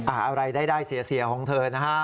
เอ่ออะไรได้ได้เสียของเธอนะฮะ